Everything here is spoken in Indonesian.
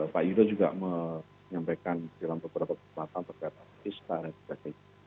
pak yudo juga menyampaikan dalam beberapa kesempatan terkait alutsista dan sebagainya